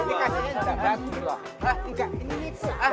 wah ini udah usah